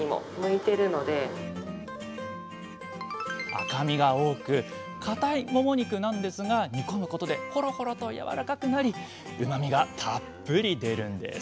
赤身が多くかたいもも肉なんですが煮込むことでほろほろとやわらかくなりうまみがたっぷり出るんです